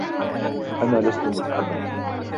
أنا لست متعباً.